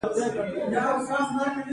کله چې څوک توکي تولیدوي د پلورلو نیت لري.